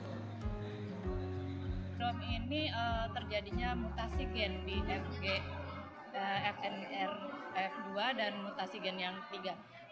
di apert sindrom ini terjadinya mutasi gen di fnrf dua dan mutasi gen yang tiga